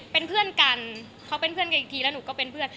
เป็นเพื่อนกันเขาเป็นเพื่อนกันอีกทีแล้วหนูก็เป็นเพื่อน